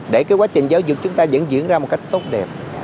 để cái quá trình giáo dục chúng ta vẫn diễn ra một cách tốt đẹp